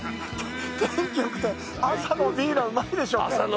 天気よくて、朝のビールはうまいでしょうね。